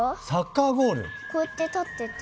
こうやって立ってて。